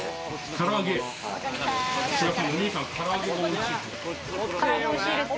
唐揚げおいしいですよ。